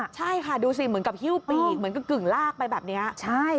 ใช่ค่ะดูเหมือนกับฮิ้วปีกกึ่งลากไปแบบนี้